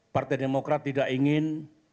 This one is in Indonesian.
partai demokrat tidak ingin